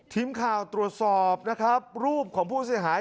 ทีมข่าวตรวจสอบนะครับรูปของผู้เสียหาย